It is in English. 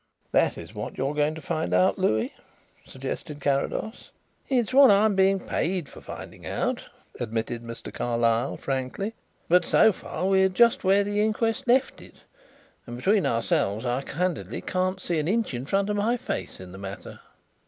"That is what you are going to find out, Louis?" suggested Carrados. "It is what I am being paid for finding out," admitted Mr. Carlyle frankly. "But so far we are just where the inquest left it, and, between ourselves, I candidly can't see an inch in front of my face in the matter."